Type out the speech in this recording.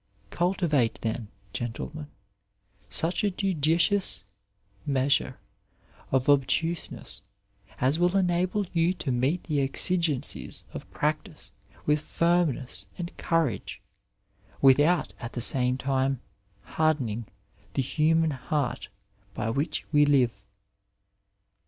Cultivate, then, gentlemen, such a judicious measure of obtuseness as will enable you to meet the exigencies of practice with finnness and courage, without, at the same time, hardening ^' the human heart by which we live.''